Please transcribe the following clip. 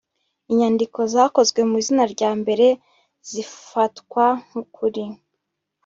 inyandiko zakozwe mu izina rya mbere zifatwa nkukuri.